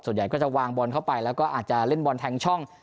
ส่วนใหญ่ก็จะวางบอลเข้าไปแล้วก็อาจจะเล่นบอลแทงช่อง